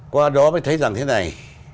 qua đó mới thấy rằng thế này